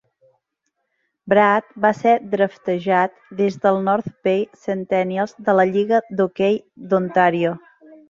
Brad va ser draftejat des dels North Bay Centennials de la lliga d'hoquei d'Ontàrio.